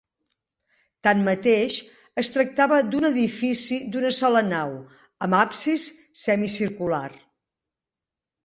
Tanmateix, es tractava d'un edifici d'una sola nau, amb absis semicircular.